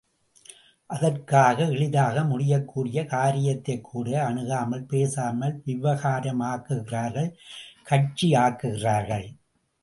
அதற்காக எளிதாக முடியக்கூடிய காரியத்தைக்கூட அணுகாமல், பேசாமல் விவகாரமாக்குகிறார்கள் கட்சியாக்குகிறார்கள்.